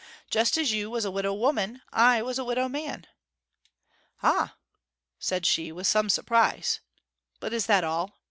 Just as you was a widow woman, I was a widow man.' 'Ah!' said she, with some surprise. 'But is that all?